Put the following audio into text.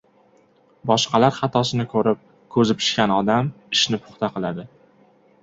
Boshqalar xatosini ko‘rib ko‘zi pishgan odam ishni puxta qiladi.